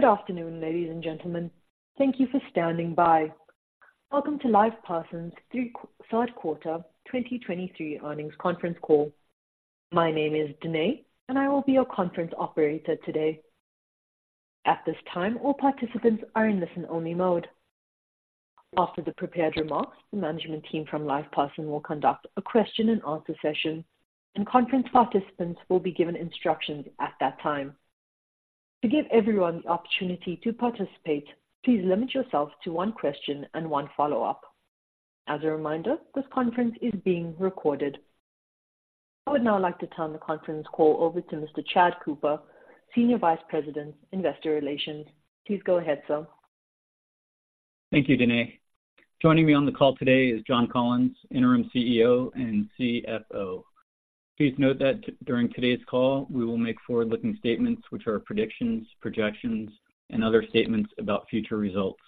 Good afternoon, ladies and gentlemen. Thank you for standing by. Welcome to LivePerson's Q3 2023 Earnings Conference Call. My name is Danae, and I will be your conference operator today. At this time, all participants are in listen-only mode. After the prepared remarks, the management team from LivePerson will conduct a question and answer session, and conference participants will be given instructions at that time. To give everyone the opportunity to participate, please limit yourself to one question and one follow-up. As a reminder, this conference is being recorded. I would now like to turn the conference call over to Mr. Chad Cooper, Senior Vice President, Investor Relations. Please go ahead, sir. Thank you, Danae. Joining me on the call today is John Collins, Interim CEO and CFO. Please note that during today's call, we will make forward-looking statements, which are predictions, projections, and other statements about future results.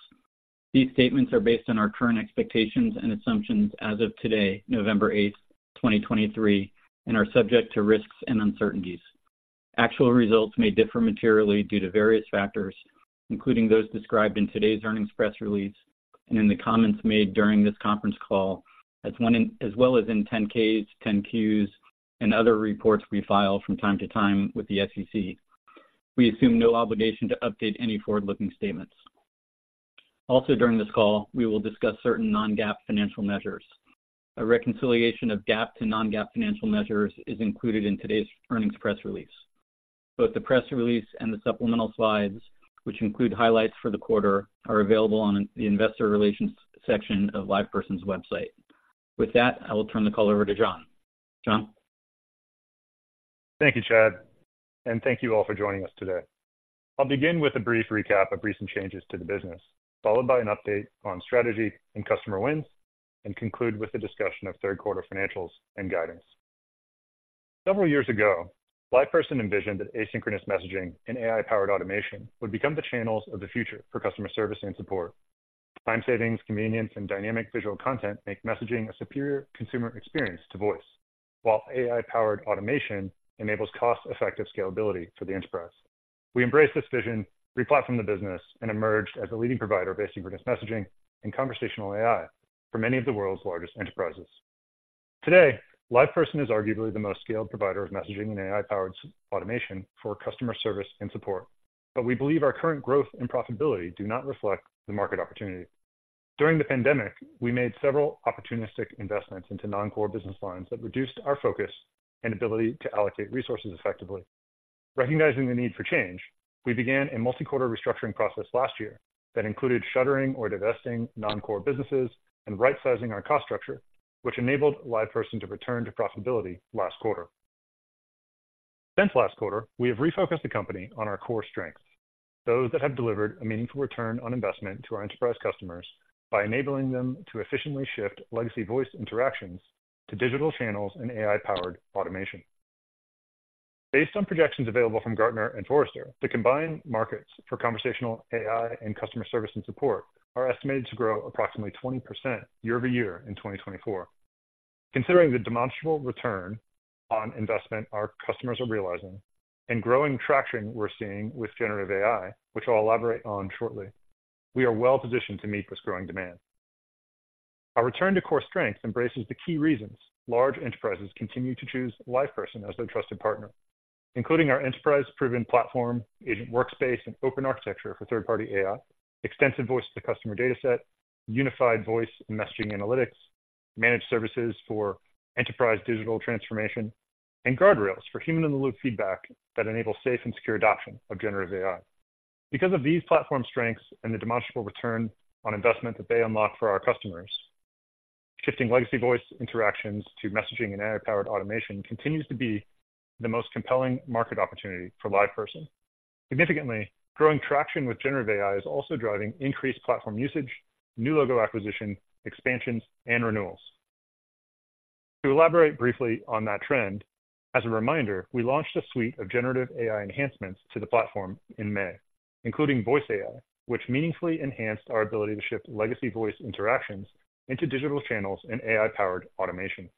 These statements are based on our current expectations and assumptions as of today, November 8, 2023, and are subject to risks and uncertainties. Actual results may differ materially due to various factors, including those described in today's earnings press release and in the comments made during this conference call, as well as in 10-Ks, 10-Qs, and other reports we file from time to time with the SEC. We assume no obligation to update any forward-looking statements. Also, during this call, we will discuss certain non-GAAP financial measures. A reconciliation of GAAP to non-GAAP financial measures is included in today's earnings press release. Both the press release and the supplemental slides, which include highlights for the quarter, are available on the investor relations section of LivePerson's website. With that, I will turn the call over to John. John? Thank you, Chad, and thank you all for joining us today. I'll begin with a brief recap of recent changes to the business, followed by an update on strategy and customer wins, and conclude with a discussion of Q3 financials and guidance. Several years ago, LivePerson envisioned that asynchronous messaging and AI-powered automation would become the channels of the future for customer service and support. Time savings, convenience, and dynamic visual content make messaging a superior consumer experience to voice, while AI-powered automation enables cost-effective scalability for the enterprise. We embraced this vision, re-platformed the business, and emerged as a leading provider of asynchronous messaging and conversational AI for many of the world's largest enterprises. Today, LivePerson is arguably the most scaled provider of messaging and AI-powered automation for customer service and support, but we believe our current growth and profitability do not reflect the market opportunity. During the pandemic, we made several opportunistic investments into non-core business lines that reduced our focus and ability to allocate resources effectively. Recognizing the need for change, we began a multi-quarter restructuring process last year that included shuttering or divesting non-core businesses and right-sizing our cost structure, which enabled LivePerson to return to profitability last quarter. Since last quarter, we have refocused the company on our core strengths, those that have delivered a meaningful return on investment to our enterprise customers by enabling them to efficiently shift legacy voice interactions to digital channels and AI-powered automation. Based on projections available from Gartner and Forrester, the combined markets for conversational AI and customer service and support are estimated to grow approximately 20% year-over-year in 2024. Considering the demonstrable return on investment our customers are realizing and growing traction we're seeing with generative AI, which I'll elaborate on shortly, we are well positioned to meet this growing demand. Our return to core strengths embraces the key reasons large enterprises continue to choose LivePerson as their trusted partner, including our enterprise-proven platform, agent workspace, and open architecture for third-party AI, extensive voice-to-customer data set, unified voice and messaging analytics, managed services for enterprise digital transformation, and guardrails for human-in-the-loop feedback that enable safe and secure adoption of generative AI. Because of these platform strengths and the demonstrable return on investment that they unlock for our customers, shifting legacy voice interactions to messaging and AI-powered automation continues to be the most compelling market opportunity for LivePerson. Significantly, growing traction with generative AI is also driving increased platform usage, new logo acquisition, expansions, and renewals. To elaborate briefly on that trend, as a reminder, we launched a suite of generative AI enhancements to the platform in May, including Voice AI, which meaningfully enhanced our ability to ship legacy voice interactions into digital channels and AI-powered automation.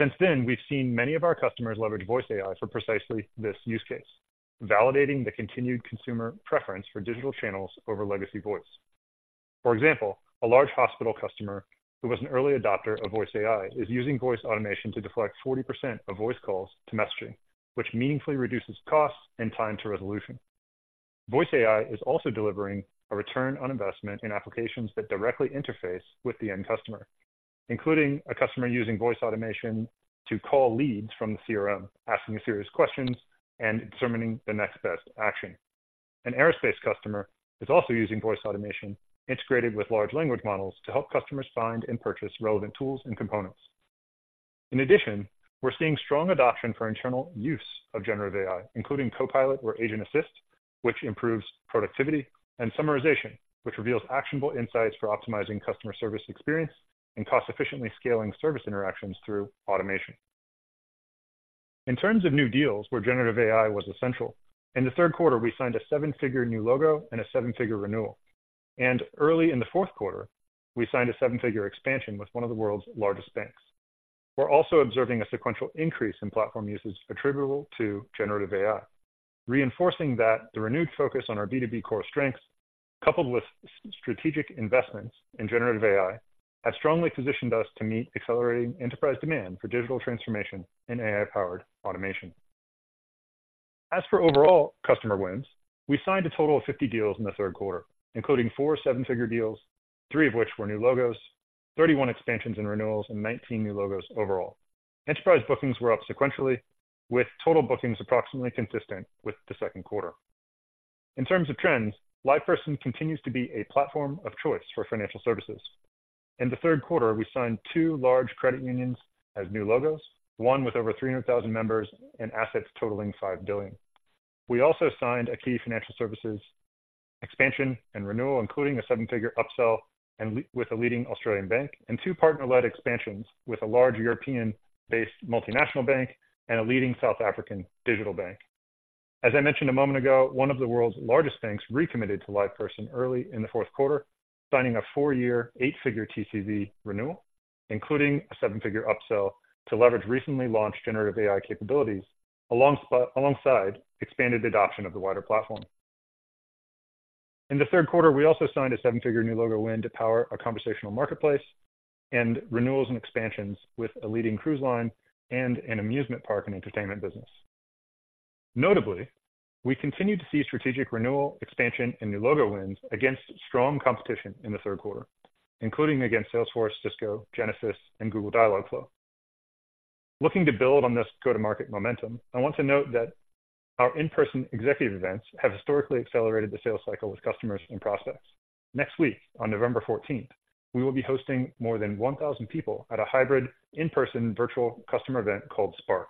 Since then, we've seen many of our customers leverage Voice AI for precisely this use case, validating the continued consumer preference for digital channels over legacy voice. For example, a large hospital customer who was an early adopter of Voice AI, is using voice automation to deflect 40% of voice calls to messaging, which meaningfully reduces costs and time to resolution. Voice AI is also delivering a return on investment in applications that directly interface with the end customer, including a customer using voice automation to call leads from the CRM, asking a series of questions and determining the next best action. An aerospace customer is also using voice automation integrated with large language models to help customers find and purchase relevant tools and components. In addition, we're seeing strong adoption for internal use of generative AI, including Copilot or Agent Assist, which improves productivity, and summarization, which reveals actionable insights for optimizing customer service experience and cost-efficiently scaling service interactions through automation. In terms of new deals where generative AI was essential, in the Q3, we signed a seven-figure new logo and a seven-figure renewal. Early in the Q4, we signed a seven-figure expansion with one of the world's largest banks. We're also observing a sequential increase in platform usage attributable to generative AI, reinforcing that the renewed focus on our B2B Core strengths, coupled with strategic investments in generative AI, has strongly positioned us to meet accelerating enterprise demand for digital transformation and AI-powered automation. As for overall customer wins, we signed a total of 50 deals in the Q3, including four seven-figure deals, three of which were new logos, 31 expansions and renewals, and 19 new logos overall. Enterprise bookings were up sequentially, with total bookings approximately consistent with the Q2. In terms of trends, LivePerson continues to be a platform of choice for financial services. In the Q3, we signed two large credit unions as new logos, one with over 300,000 members and assets totaling $5 billion. We also signed a key financial services expansion and renewal, including a seven-figure upsell and with a leading Australian bank, and two partner-led expansions with a large European-based multinational bank and a leading South African digital bank. As I mentioned a moment ago, one of the world's largest banks recommitted to LivePerson early in the Q4, signing a four-year, eight-figure TCV renewal, including a seven-figure upsell to leverage recently launched generative AI capabilities, alongside expanded adoption of the wider platform. In the Q3, we also signed a seven-figure new logo win to power a conversational marketplace and renewals and expansions with a leading cruise line and an amusement park and entertainment business. Notably, we continued to see strategic renewal, expansion, and new logo wins against strong competition in the Q3, including against Salesforce, Cisco, Genesys, and Google Dialogflow. Looking to build on this go-to-market momentum, I want to note that our in-person executive events have historically accelerated the sales cycle with customers and prospects. Next week, on November 14th, we will be hosting more than 1,000 people at a hybrid in-person virtual customer event called Spark,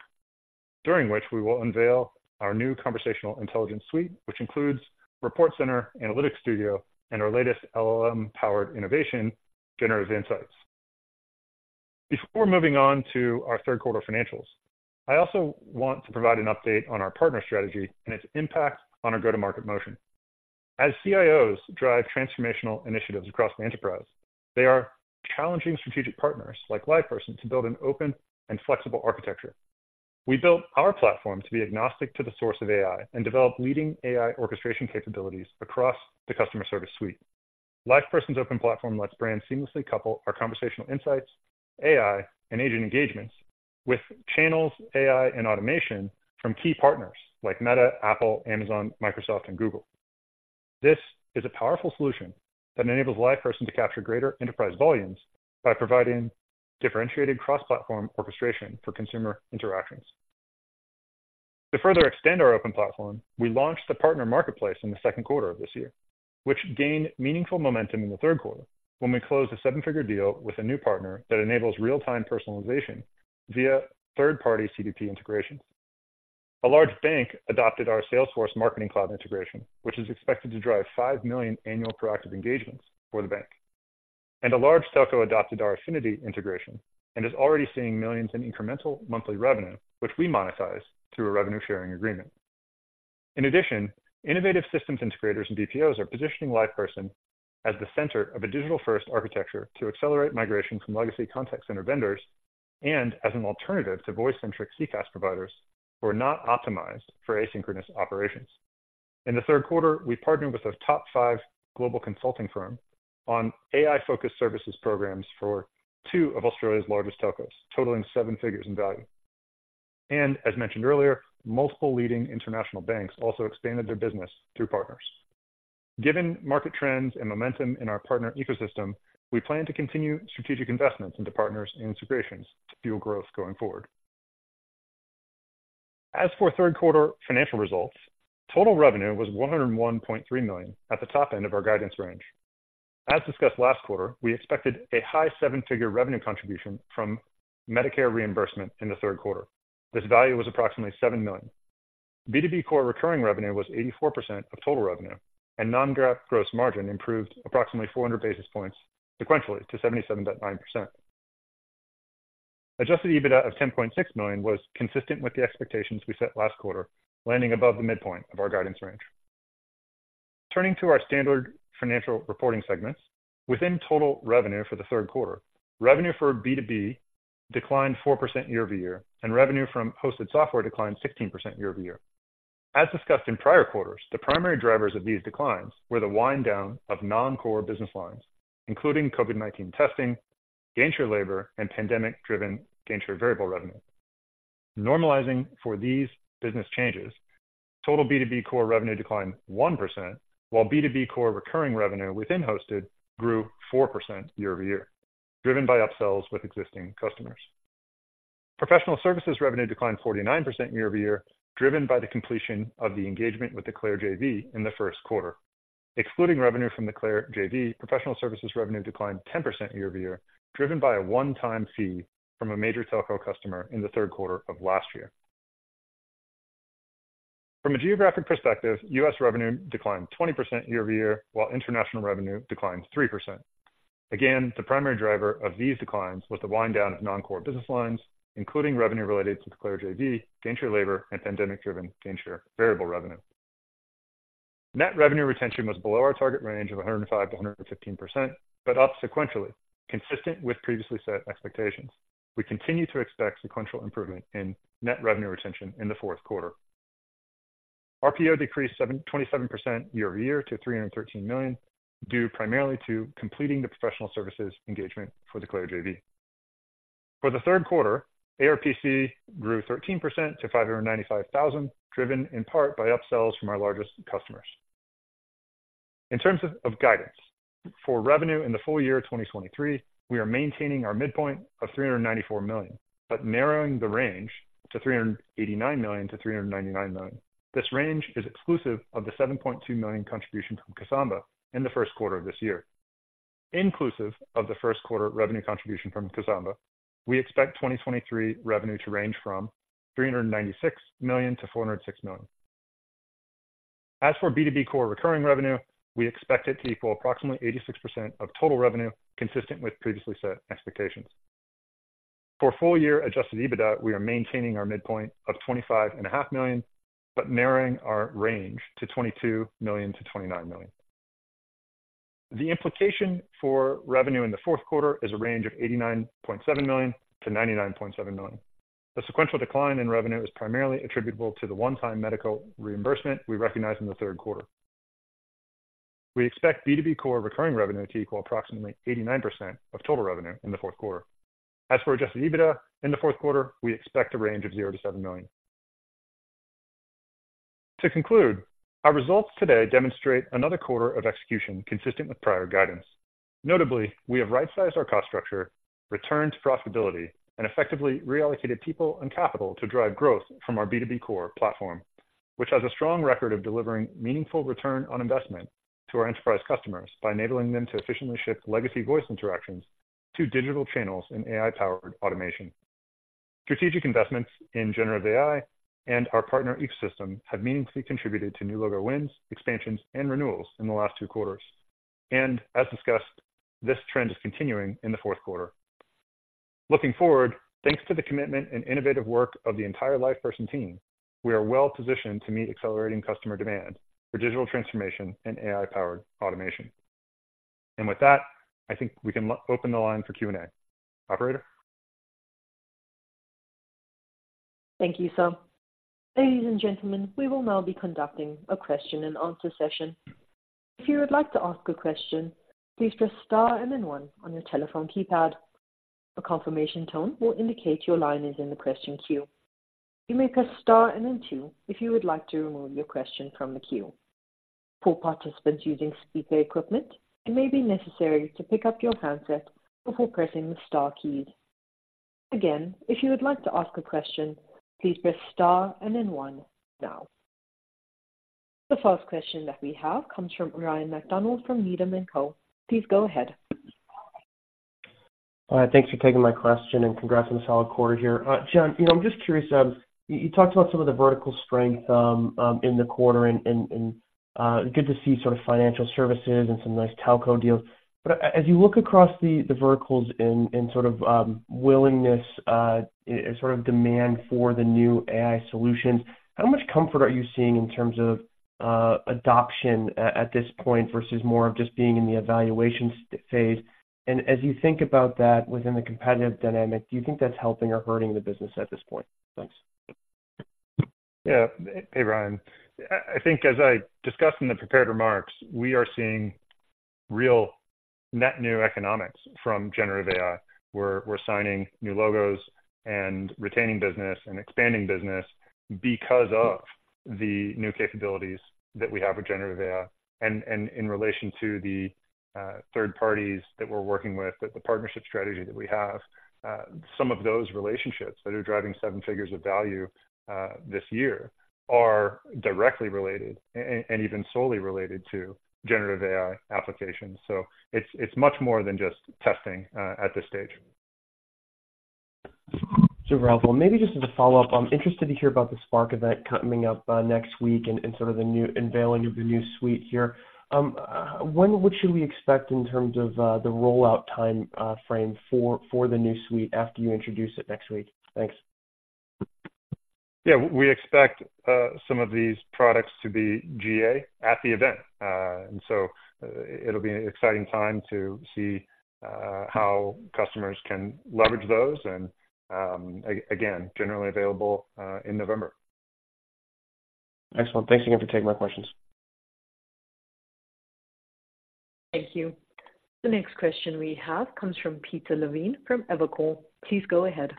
during which we will unveil our new conversational intelligence suite, which includes Report Center, Analytics Studio, and our latest LLM-powered innovation, Generative Insights. Before moving on to our Q3 financials, I also want to provide an update on our partner strategy and its impact on our go-to-market motion. As CIOs drive transformational initiatives across the enterprise, they are challenging strategic partners like LivePerson to build an open and flexible architecture. We built our platform to be agnostic to the source of AI and develop leading AI orchestration capabilities across the customer service suite. LivePerson's open platform lets brands seamlessly couple our conversational insights, AI, and agent engagements with channels, AI, and automation from key partners like Meta, Apple, Amazon, Microsoft, and Google. This is a powerful solution that enables LivePerson to capture greater enterprise volumes by providing differentiated cross-platform orchestration for consumer interactions. To further extend our open platform, we launched the partner marketplace in the Q2 of this year, which gained meaningful momentum in the Q3 when we closed a seven-figure deal with a new partner that enables real-time personalization via third-party CDP integrations. A large bank adopted our Salesforce Marketing Cloud integration, which is expected to drive 5 million annual proactive engagements for the bank. A large telco adopted our Infinity integration and is already seeing $ millions in incremental monthly revenue, which we monetize through a revenue-sharing agreement. In addition, innovative systems integrators and BPOs are positioning LivePerson as the center of a digital-first architecture to accelerate migration from legacy contact center vendors and as an alternative to voice-centric CCaaS providers who are not optimized for asynchronous operations. In the Q3, we partnered with a top five global consulting firm on AI-focused services programs for two of Australia's largest telcos, totaling seven figures in value. As mentioned earlier, multiple leading international banks also expanded their business through partners. Given market trends and momentum in our partner ecosystem, we plan to continue strategic investments into partners and integrations to fuel growth going forward. As for Q3 financial results, total revenue was $101.3 million, at the top end of our guidance range. As discussed last quarter, we expected a high seven-figure revenue contribution from Medicare reimbursement in the Q3. This value was approximately $7 million. B2B Core recurring revenue was 84% of total revenue, and non-GAAP gross margin improved approximately 400 basis points sequentially to 77.9%. Adjusted EBITDA of $10.6 million was consistent with the expectations we set last quarter, landing above the midpoint of our guidance range. Turning to our standard financial reporting segments, within total revenue for the Q3, revenue for B2B declined 4% year-over-year, and revenue from hosted software declined 16% year-over-year. As discussed in prior quarters, the primary drivers of these declines were the wind down of non-core business lines, including COVID-19 testing, gainshare labor, and pandemic-driven gainshare variable revenue. Normalizing for these business changes, total B2B Core revenue declined 1%, while B2B Core recurring revenue within hosted grew 4% year-over-year, driven by upsells with existing customers. Professional services revenue declined 49% year-over-year, driven by the completion of the engagement with the Claro JV in the Q1. Excluding revenue from the Claro JV, professional services revenue declined 10% year-over-year, driven by a one-time fee from a major telco customer in the Q3 of last year. From a geographic perspective, U.S. revenue declined 20% year-over-year, while international revenue declined 3%. Again, the primary driver of these declines was the wind down of non-core business lines, including revenue related to the Claro JV, gainshare labor, and pandemic-driven gainshare variable revenue. Net revenue retention was below our target range of 105%-115%, but up sequentially, consistent with previously set expectations. We continue to expect sequential improvement in net revenue retention in the Q4. RPO decreased 27% year-over-year to $313 million, due primarily to completing the professional services engagement for the Claro JV. For the Q3, ARPC grew 13% to $595,000, driven in part by upsells from our largest customers. In terms of guidance, for revenue in the full year of 2023, we are maintaining our midpoint of $394 million, but narrowing the range to $389-399 million. This range is exclusive of the $7.2 million contribution from Kasamba in the Q1 of this year. Inclusive of the Q1 revenue contribution from Kasamba, we expect 2023 revenue to range from $396-406 million. As for B2B Core recurring revenue, we expect it to equal approximately 86% of total revenue, consistent with previously set expectations. For full year Adjusted EBITDA, we are maintaining our midpoint of $25.5 million, but narrowing our range to $22-29 million. The implication for revenue in the Q4 is a range of $89.-99.7 million. The sequential decline in revenue is primarily attributable to the one-time medical reimbursement we recognized in the Q3. We expect B2B Core recurring revenue to equal approximately 89% of total revenue in the Q4. As for Adjusted EBITDA, in the Q4, we expect a range of $0-7 million. To conclude, our results today demonstrate another quarter of execution consistent with prior guidance. Notably, we have right-sized our cost structure, returned to profitability, and effectively reallocated people and capital to drive growth from our B2B Core platform, which has a strong record of delivering meaningful return on investment to our enterprise customers by enabling them to efficiently ship legacy voice interactions to digital channels in AI-powered automation. Strategic investments in generative AI and our partner ecosystem have meaningfully contributed to new logo wins, expansions, and renewals in the last two quarters. As discussed, this trend is continuing in the Q4. Looking forward, thanks to the commitment and innovative work of the entire LivePerson team, we are well positioned to meet accelerating customer demand for digital transformation and AI-powered automation. With that, I think we can open the line for Q&A. Operator? Thank you, sir. Ladies and gentlemen, we will now be conducting a question and answer session. If you would like to ask a question, please press star and then one on your telephone keypad. A confirmation tone will indicate your line is in the question queue. You may press star and then two if you would like to remove your question from the queue. For participants using speaker equipment, it may be necessary to pick up your handset before pressing the star key. Again, if you would like to ask a question, please press star and then one now. The first question that we have comes from Ryan McDonald from Needham and Co. Please go ahead. Thanks for taking my question, and congrats on the solid quarter here. John, you know, I'm just curious, you talked about some of the vertical strength in the quarter and good to see sort of financial services and some nice telco deals. But as you look across the verticals and sort of willingness and sort of demand for the new AI solutions, how much comfort are you seeing in terms of adoption at this point versus more of just being in the evaluation phase? And as you think about that within the competitive dynamic, do you think that's helping or hurting the business at this point? Thanks. Yeah. Hey, Ryan. I think as I discussed in the prepared remarks, we are seeing real net new economics from generative AI, where we're signing new logos and retaining business and expanding business because of the new capabilities that we have with generative AI. And in relation to the third parties that we're working with, that the partnership strategy that we have, some of those relationships that are driving seven figures of value this year are directly related and even solely related to generative AI applications. So it's much more than just testing at this stage. So, Ralph, well, maybe just as a follow-up, I'm interested to hear about the Spark event coming up next week and sort of the new unveiling of the new suite here. What should we expect in terms of the rollout time frame for the new suite after you introduce it next week? Thanks. Yeah, we expect some of these products to be GA at the event. And so it'll be an exciting time to see how customers can leverage those, and again, generally available in November. Excellent. Thanks again for taking my questions. Thank you. The next question we have comes from Peter Levine from Evercore. Please go ahead.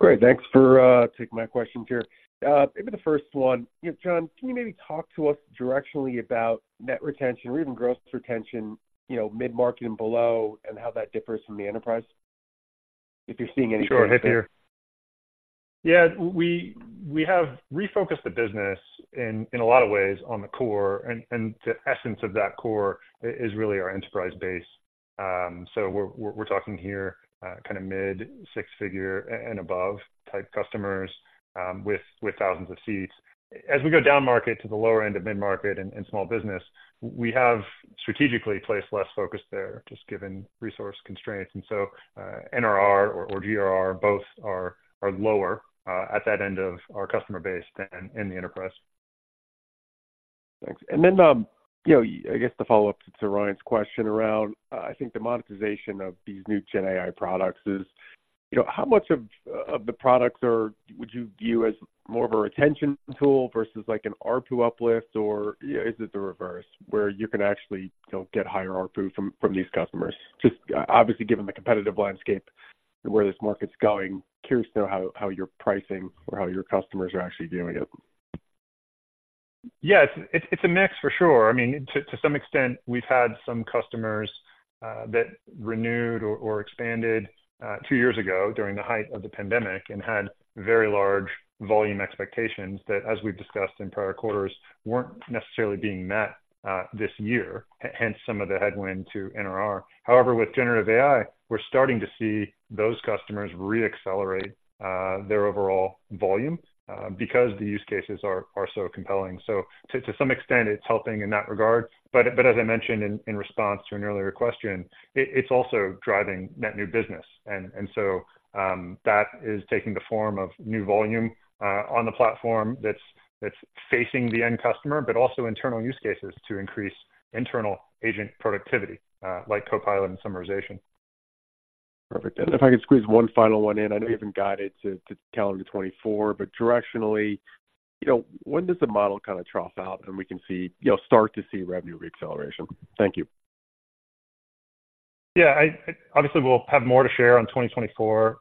Great, thanks for taking my questions here. Maybe the first one, you know, John, can you maybe talk to us directionally about net retention or even gross retention, you know, mid-market and below, and how that differs from the enterprise, if you're seeing anything? Sure, happy to. Yeah, we have refocused the business in a lot of ways on the core, and the essence of that core is really our enterprise base. So we're talking here kind of mid-six figure and above type customers, with thousands of seats. As we go down market to the lower end of mid-market and small business, we have strategically placed less focus there, just given resource constraints. And so, NRR or GRR, both are lower at that end of our customer base than in the enterprise.... Thanks. And then, you know, I guess the follow-up to Ryan's question around, I think the monetization of these new GenAI products is, you know, how much of, of the products are, would you view as more of a retention tool versus like an ARPU uplift? Or, yeah, is it the reverse, where you can actually, you know, get higher ARPU from, from these customers? Just, obviously, given the competitive landscape and where this market's going, curious to know how, how you're pricing or how your customers are actually viewing it. Yeah, it's a mix for sure. I mean, to some extent, we've had some customers that renewed or expanded two years ago during the height of the pandemic and had very large volume expectations that, as we've discussed in prior quarters, weren't necessarily being met this year, hence some of the headwind to NRR. However, with generative AI, we're starting to see those customers reaccelerate their overall volume because the use cases are so compelling. So to some extent, it's helping in that regard. But as I mentioned in response to an earlier question, it's also driving net new business. That is taking the form of new volume on the platform that's facing the end customer, but also internal use cases to increase internal agent productivity, like Copilot and summarization. Perfect. If I could squeeze one final one in. I know you haven't guided to calendar 2024, but directionally, you know, when does the model kind of trough out, and we can see, you know, start to see revenue reacceleration? Thank you. Yeah, obviously, we'll have more to share on 2024,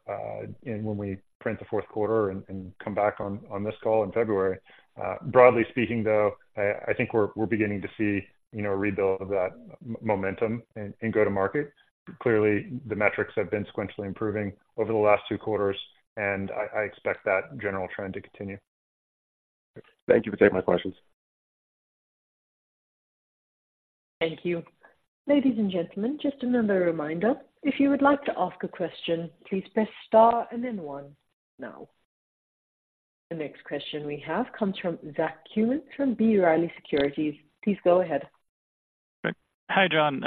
and when we print the Q4 and come back on this call in February. Broadly speaking, though, I think we're beginning to see, you know, a rebuild of that momentum in go-to-market. Clearly, the metrics have been sequentially improving over the last two quarters, and I expect that general trend to continue. Thank you for taking my questions. Thank you. Ladies and gentlemen, just another reminder, if you would like to ask a question, please press star and then one now. The next question we have comes from Zach Cummins from B. Riley Securities. Please go ahead. Hi, John.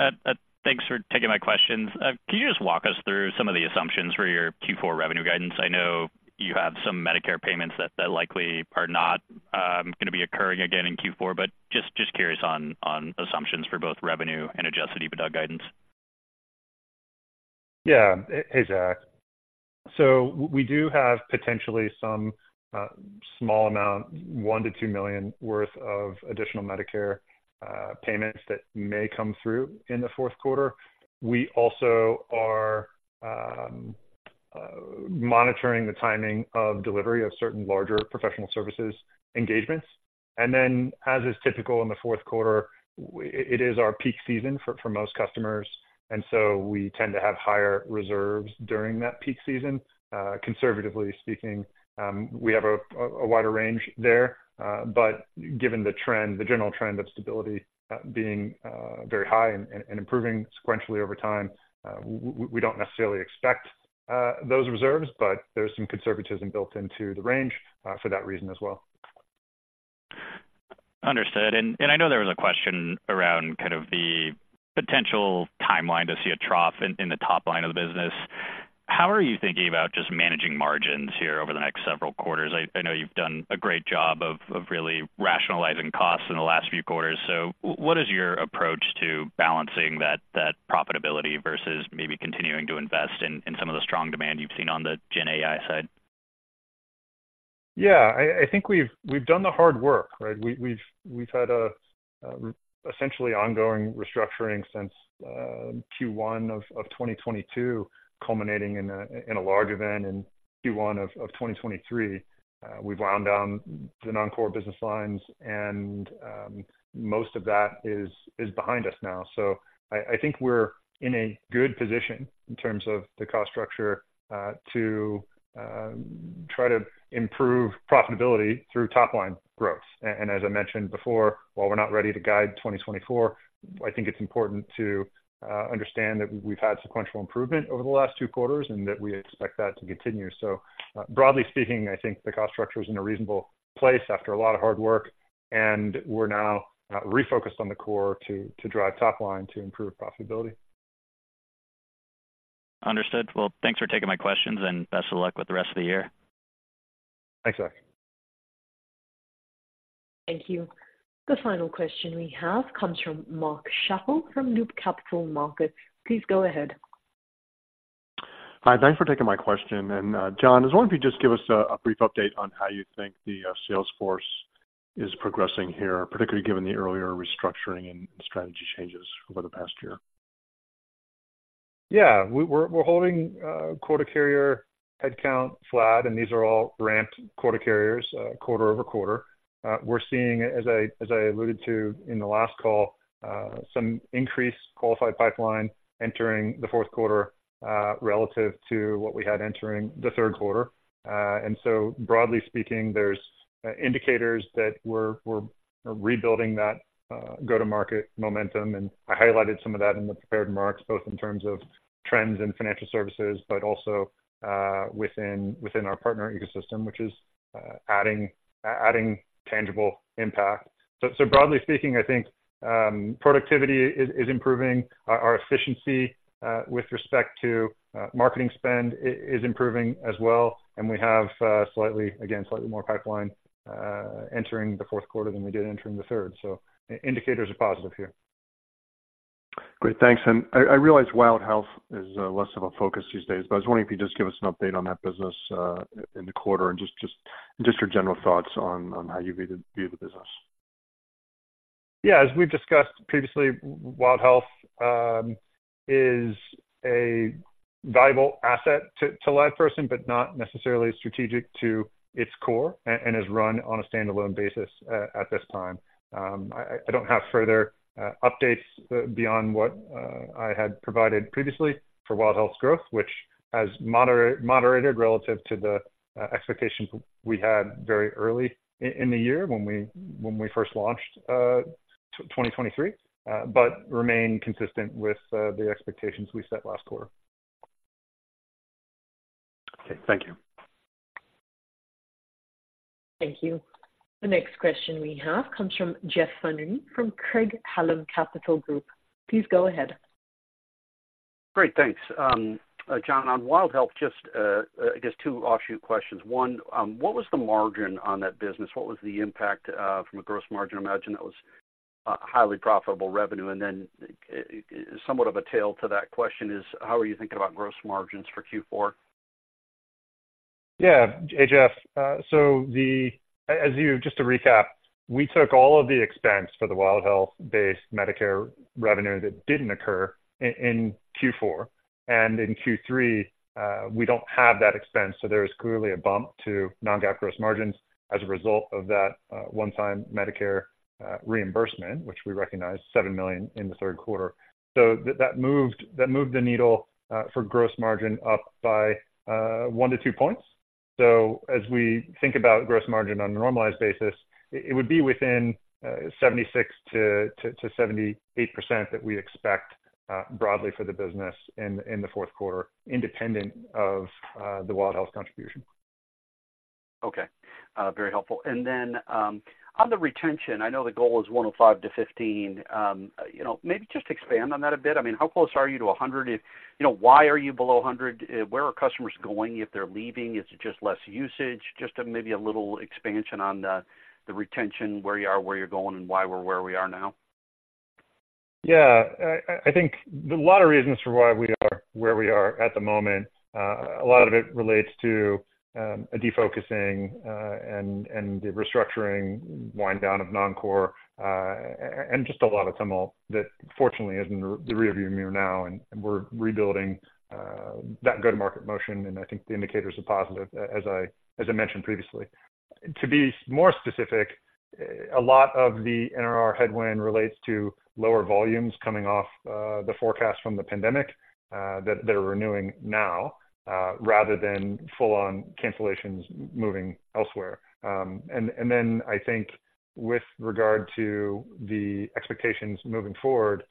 Thanks for taking my questions. Can you just walk us through some of the assumptions for your Q4 revenue guidance? I know you have some Medicare payments that likely are not gonna be occurring again in Q4, but just curious on assumptions for both revenue and Adjusted EBITDA guidance. Yeah. Hey, Zach. So we do have potentially some small amount, $1-2 million worth of additional Medicare payments that may come through in the Q4. We also are monitoring the timing of delivery of certain larger professional services engagements. And then, as is typical in the Q4, it is our peak season for most customers, and so we tend to have higher reserves during that peak season, conservatively speaking. We have a wider range there, but given the trend, the general trend of stability being very high and improving sequentially over time, we don't necessarily expect those reserves, but there's some conservatism built into the range for that reason as well. Understood. And I know there was a question around kind of the potential timeline to see a trough in the top line of the business. How are you thinking about just managing margins here over the next several quarters? I know you've done a great job of really rationalizing costs in the last few quarters. So what is your approach to balancing that profitability versus maybe continuing to invest in some of the strong demand you've seen on the GenAI side? Yeah, I think we've done the hard work, right? We've had an essentially ongoing restructuring since Q1 of 2022, culminating in a large event in Q1 of 2023. We've wound down the non-core business lines, and most of that is behind us now. So I think we're in a good position in terms of the cost structure to try to improve profitability through top-line growth. And as I mentioned before, while we're not ready to guide 2024, I think it's important to understand that we've had sequential improvement over the last two quarters, and that we expect that to continue. So, broadly speaking, I think the cost structure is in a reasonable place after a lot of hard work, and we're now refocused on the core to drive top line, to improve profitability. Understood. Well, thanks for taking my questions, and best of luck with the rest of the year. Thanks, Zach. Thank you. The final question we have comes from Mark Schappel from Loop Capital Markets. Please go ahead. Hi, thanks for taking my question. And, John, I was wondering if you could just give us a brief update on how you think the sales force is progressing here, particularly given the earlier restructuring and strategy changes over the past year. Yeah. We're holding quota carrier headcount flat, and these are all ramped quota carriers, quarter-over-quarter. We're seeing, as I alluded to in the last call, some increased qualified pipeline entering the Q4, relative to what we had entering the Q3. And so, broadly speaking, there's indicators that we're rebuilding that go-to-market momentum, and I highlighted some of that in the prepared remarks, both in terms of trends in financial services, but also, within our partner ecosystem, which is adding tangible impact. So broadly speaking, I think productivity is improving. Our efficiency with respect to marketing spend is improving as well, and we have, slightly, again, slightly more pipeline entering the Q4 than we did entering the third. So indicators are positive here. ... Great, thanks. And I realize Wild Health is less of a focus these days, but I was wondering if you'd just give us an update on that business in the quarter and just your general thoughts on how you view the business. Yeah, as we've discussed previously, Wild Health is a valuable asset to LivePerson, but not necessarily strategic to its core and is run on a standalone basis at this time. I don't have further updates beyond what I had provided previously for Wild Health's growth, which has moderated relative to the expectations we had very early in the year when we first launched 2023, but remain consistent with the expectations we set last quarter. Okay, thank you. Thank you. The next question we have comes from Jeff Van Rhee from Craig-Hallum Capital Group. Please go ahead. Great, thanks. John, on Wild Health, just, I guess two offshoot questions. One, what was the margin on that business? What was the impact from a gross margin? I imagine that was highly profitable revenue. And then, somewhat of a tail to that question is, how are you thinking about gross margins for Q4? Yeah, Jeff, so as you, just to recap, we took all of the expense for the Wild Health-based Medicare revenue that didn't occur in Q4, and in Q3, we don't have that expense, so there is clearly a bump to non-GAAP gross margins as a result of that, one-time Medicare reimbursement, which we recognized $7 million in the Q3. So that moved the needle for gross margin up by 1-2 points. So as we think about gross margin on a normalized basis, it would be within 76%-78% that we expect broadly for the business in the Q4, independent of the Wild Health contribution. Okay, very helpful. Then, on the retention, I know the goal is 105%-115%. You know, maybe just expand on that a bit. I mean, how close are you to 100%? You know, why are you below 100%? Where are customers going if they're leaving? Is it just less usage? Just maybe a little expansion on the retention, where you are, where you're going, and why we're where we are now. Yeah. I think there are a lot of reasons for why we are where we are at the moment. A lot of it relates to a defocusing and the restructuring wind down of non-core and just a lot of tumult that fortunately is in the rearview mirror now, and we're rebuilding that go-to-market motion, and I think the indicators are positive, as I mentioned previously. To be more specific, a lot of the NRR headwind relates to lower volumes coming off the forecast from the pandemic that are renewing now rather than full on cancellations moving elsewhere. And then I think with regard to the expectations moving forward,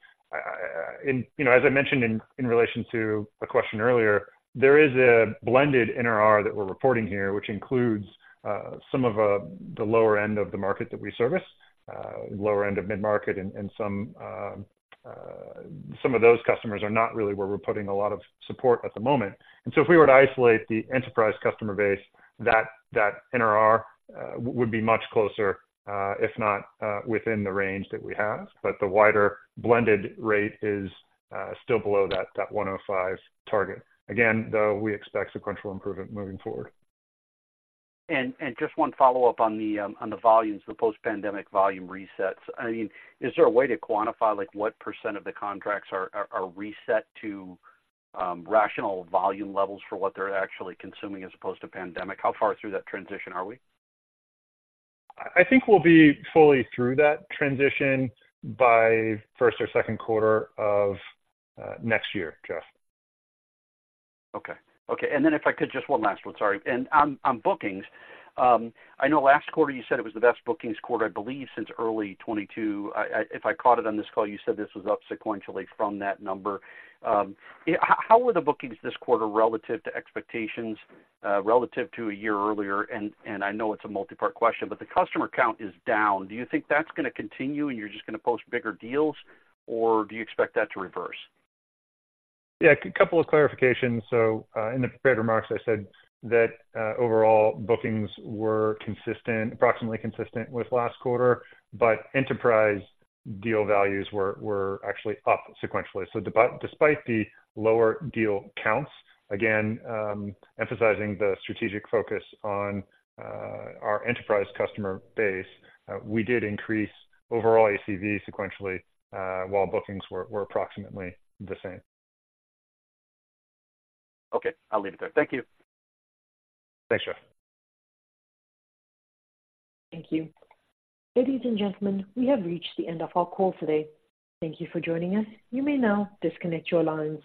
you know, as I mentioned in relation to a question earlier, there is a blended NRR that we're reporting here, which includes some of the lower end of the market that we service, lower end of mid-market and some of those customers are not really where we're putting a lot of support at the moment. And so if we were to isolate the enterprise customer base, that NRR would be much closer, if not within the range that we have. But the wider blended rate is still below that 105% target. Again, though, we expect sequential improvement moving forward. Just one follow-up on the volumes, the post-pandemic volume resets. I mean, is there a way to quantify, like, what percent of the contracts are reset to rational volume levels for what they're actually consuming as opposed to pandemic? How far through that transition are we? I think we'll be fully through that transition by first or Q2 of next year, Jeff. Okay. Okay, and then if I could, just one last one, sorry. And on bookings, I know last quarter you said it was the best bookings quarter, I believe, since early 2022. If I caught it on this call, you said this was up sequentially from that number. How were the bookings this quarter relative to expectations, relative to a year earlier? And I know it's a multi-part question, but the customer count is down. Do you think that's gonna continue, and you're just gonna post bigger deals, or do you expect that to reverse? Yeah, a couple of clarifications. So, in the prepared remarks, I said that overall bookings were consistent, approximately consistent with last quarter, but enterprise deal values were actually up sequentially. So despite the lower deal counts, again, emphasizing the strategic focus on our enterprise customer base, we did increase overall ACV sequentially, while bookings were approximately the same. Okay, I'll leave it there. Thank you. Thanks, Jeff. Thank you. Ladies and gentlemen, we have reached the end of our call today. Thank you for joining us. You may now disconnect your lines.